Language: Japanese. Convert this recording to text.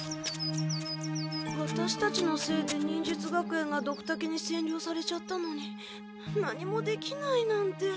ワタシたちのせいで忍術学園がドクタケにせんりょうされちゃったのに何もできないなんて。